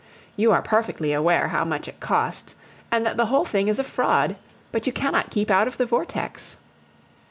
You are perfectly aware how much it costs, and that the whole thing is a fraud, but you cannot keep out of the vortex.